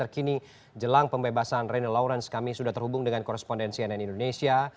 kini jelang pembebasan reno lawrence kami sudah terhubung dengan korespondensi nn indonesia